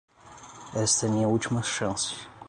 Esta é minha última chance.